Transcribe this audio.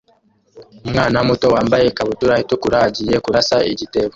Umwana muto wambaye ikabutura itukura agiye kurasa igitebo